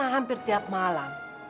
karena hampir tiap malam